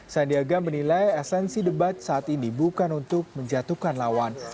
sandiaga menilai esensi debat saat ini bukan untuk menjatuhkan lawan